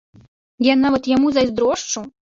Я нават яму зайздрошчу!